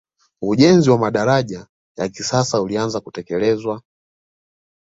ujenzi wa madaraja ya kisasa ulianza kutekelezwa